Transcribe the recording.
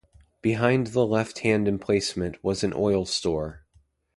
Behind the left hand emplacement was an oil store.